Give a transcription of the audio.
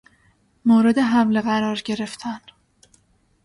مورد حمله قرار گرفتن